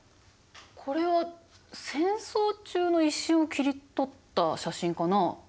これは戦争中の一瞬を切り取った写真かな？